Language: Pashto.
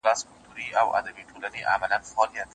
پرهار ته مي راغلي مرهمونه تښتوي